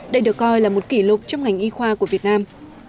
đây được coi là một kỷ lục trong ngành y khoa của việt nam